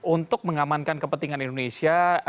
untuk mengamankan kepentingan indonesia